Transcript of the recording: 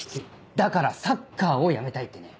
だからサッカーをやめたいってね。